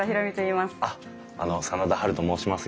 あっあの真田ハルと申します。